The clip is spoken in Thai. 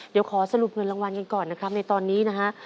เดี๋ยวขอสรุปเงินรางวัลกันก่อนนะครับในตอนนี้นะฮะ